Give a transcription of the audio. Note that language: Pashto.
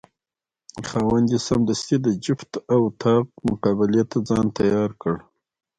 خاوند یې سمدستي د جفت او طاق مقابلې ته ځان تیار کړ.